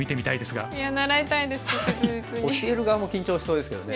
教える側も緊張しそうですけどね